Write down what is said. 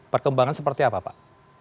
perkembangan seperti apa pak